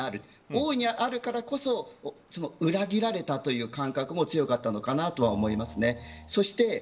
大いにあるからこそ裏切られたという感覚も強かったのかなとは思います。